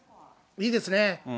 いいですね。